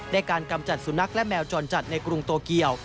การกำจัดสุนัขและแมวจรจัดในกรุงโตเกียว